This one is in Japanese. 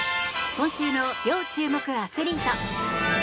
今週の要注目アスリート。